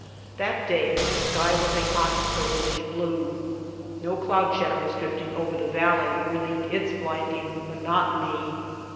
That day the sky was a hot purplish blue; no cloud shadows drifting over the valley relieved its blinding monotony.